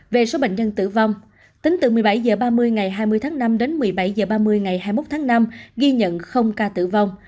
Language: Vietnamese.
về số bệnh nhân tử vong tính từ một mươi bảy h ba mươi ngày hai mươi tháng năm đến một mươi bảy h ba mươi ngày hai mươi một tháng năm ghi nhận ca tử vong